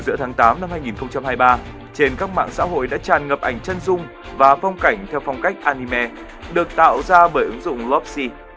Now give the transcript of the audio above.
giữa tháng tám năm hai nghìn hai mươi ba trên các mạng xã hội đã tràn ngập ảnh chân dung và phong cảnh theo phong cách anime được tạo ra bởi ứng dụng lopsy